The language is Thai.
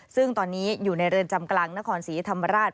ซึ่งตอนนี้อยู่ในเรือนจำกลางนครศรีธรรมราช